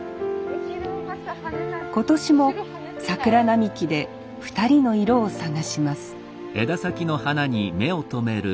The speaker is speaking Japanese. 今年も桜並木で２人の色を探します